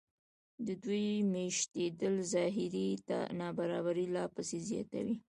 د دوی مېشتېدل ظاهري نابرابري لا پسې زیاتوي